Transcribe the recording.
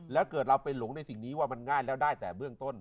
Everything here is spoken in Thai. แล้วเกิดเราไปหลงในสิ่งนี้ว่ามันง่ายแล้วได้แต่เบื้องต้น